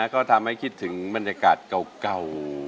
ก็ทำให้คิดถึงบรรยากาศเก่า